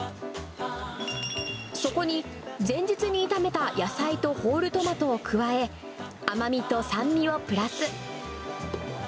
そこに前日に炒めた野菜とホールトマトを加え、甘みと酸味をプラス。